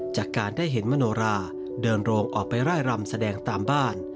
จากการได้เห็นมโนราเดินโรงออกไปร่ายรำแสดงตามบ้าน